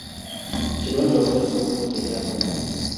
Kirungi okweyisa obulungi eri abalala.